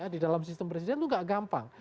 di dalam sistem presiden itu gak gampang